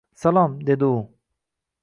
— Salom, — dedi u.